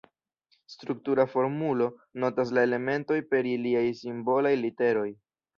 Struktura formulo notas la elementojn per iliaj simbolaj literoj.